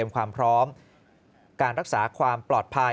การรักษาความปลอดภัย